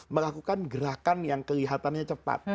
melakukan gerakan yang kelihatannya cepat